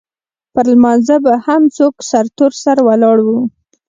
پر لمانځه به هم څوک سرتور سر ولاړ وو.